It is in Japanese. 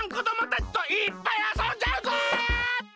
たちといっぱいあそんじゃうぞ！